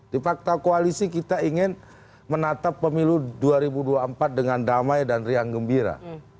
di fakta koalisi kita ingin menatap pemilu dua ribu dua puluh empat dengan damai dan riang gembira